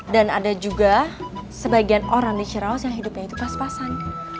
dan ada juga sebagian orang di ciraus yang hidupnya itu pas pasan